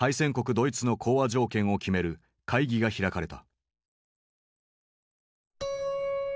ドイツの講和条件を決める会議が開かれた。